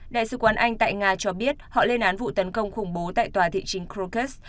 đại sứ quán anh tại nga cho biết họ lên án vụ tấn công khủng bố tại tòa thị trình krokus